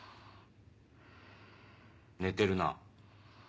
寝てるな。